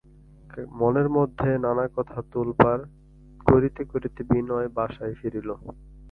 মনের মধ্যে নানা কথা তোলপাড় করিতে করিতে বিনয় বাসায় ফিরিল।